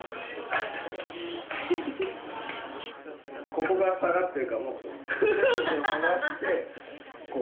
ここが下がってるからもっと背筋を伸ばしてこう。